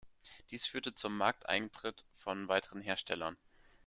Dies führte zum Markteintritt von weiteren Herstellern.